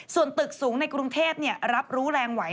ส่วนตึกสูงในกรุงเทพรับรู้แรงไหว